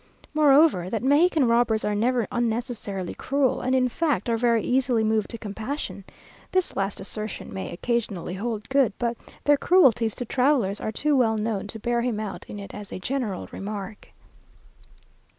Moreover, that Mexican robbers are never unnecessarily cruel, and in fact are very easily moved to compassion. This last assertion may, occasionally hold good, but their cruelties to travellers are too well known to bear him out in it as a general remark.